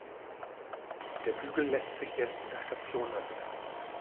Der Bügel lässt sich erst in der Station öffnen.